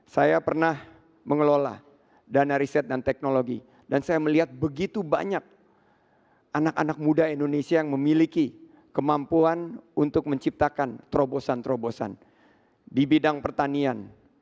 saya pernah mengelola dana riset dan teknologi dan saya melihat begitu banyak anak anak muda indonesia yang memiliki kemampuan untuk menciptakan terobosan terobosan di bidang pertanian